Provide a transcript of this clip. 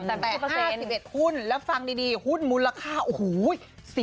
แต่๕๑หุ้นแล้วฟังดีหุ้นมูลค่าโอ้โห